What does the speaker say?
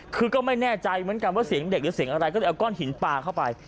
คือก็ไม่แน่ใจเหมือนกันว่าเสียงเด็กหรือเสียงอะไรก็เลยเอาก้อนหินปลาเข้าไป